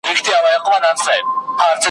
د بهار په انتظار یو ګوندي راسي `